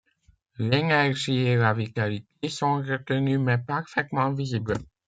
L'énergie et la vitalité sont retenues mais parfaitement visibles.